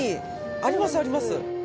ありますあります。